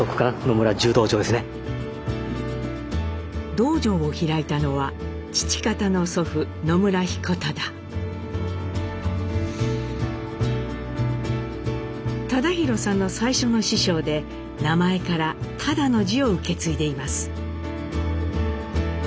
道場を開いたのは父方の祖父忠宏さんの最初の師匠で名前から「忠」の字を受け継いでいます。